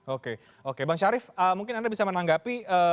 oke oke bang syarif mungkin anda bisa menanggapi